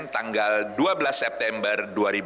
tanggal dua belas september dua ribu enam belas